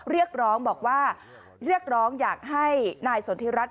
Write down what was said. เรียกร้องบอกว่าเรียกร้องอยากให้นายสนทิรัฐ